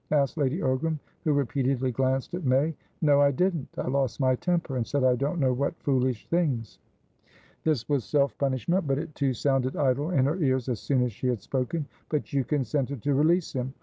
asked Lady Ogram, who repeatedly glanced at May. "No, I didn't. I lost my temper, and said I don't know what foolish things." This was self punishment, but it, too, sounded idle in her ears as soon as she had spoken. "But you consented to release him?"